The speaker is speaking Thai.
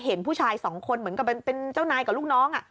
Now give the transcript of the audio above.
เห็นผู้ชายสองคนเหมือนกับเป็นเจ้านายกับลูกน้อง